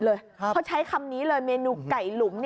เขาใช้คำนี้เลยเมนูไก่หลุม